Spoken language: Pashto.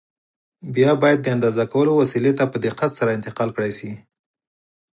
بیا باید د اندازه کولو وسیلې ته په دقت سره انتقال کړای شي.